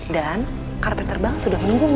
dan karta terbang sudah menunggumu